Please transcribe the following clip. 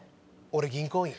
俺銀行員。